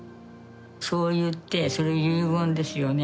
そう言ってそれ遺言ですよね